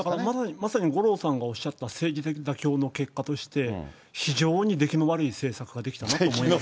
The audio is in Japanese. まさに五郎さんがおっしゃった政治的妥協の結果として、非常に出来の悪い政策が出来たなと思います。